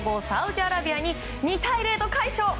サウジアラビアに２対０と快勝。